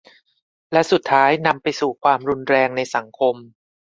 และสุดท้ายนำไปสู่ความรุนแรงในสังคม